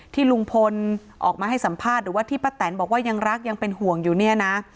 ที่ลุงพลออกมาให้สัมภาษณ์หรือว่าที่ป้าแตนบอกว่ายังรักยังเป็นห่วงอยู่เนี่ยนะ